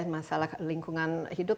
masalah lingkungan hidup